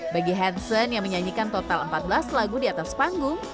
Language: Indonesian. bagi hansen yang menyanyikan total empat belas lagu di atas panggung